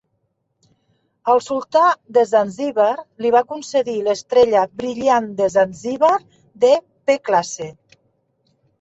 El sultà de Zanzíbar li va concedir l'Estrella Brilliant de Zanzibar, de pclasse.